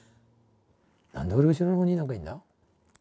なんで俺後ろの方になんかいるんだ？